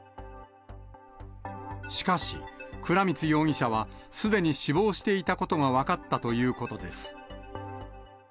しかし、倉光容疑者はすでに死亡していたことが分かったということです。